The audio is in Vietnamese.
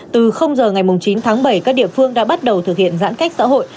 từ giờ ngày chín tháng bảy các địa phương đã bắt đầu thực hiện giãn cách xã hội